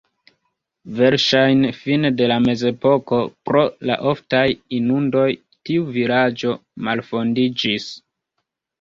Verŝajne fine de la mezepoko pro la oftaj inundoj tiu vilaĝo malfondiĝis.